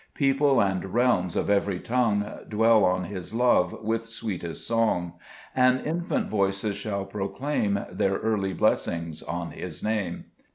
3 People and realms of even' tongue Dwell on His love with sweetest song ; And infant voices shall proclaim Their early blessings on His Xame.